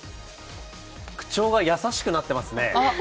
口調が優しくなってますね。